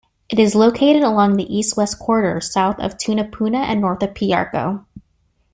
It is located along the "East-West Corridor" south of Tunapuna and north of Piarco.